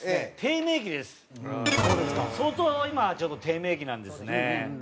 相当今はちょっと低迷期なんですね。